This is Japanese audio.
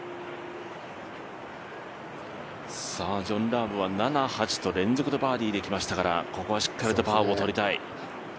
ジョン・ラームは７、８と連続でバーディーできましたから、ここはしっかりとパーをとりたい。